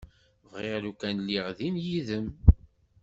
Bɣiɣ lukan lliɣ din yid-m.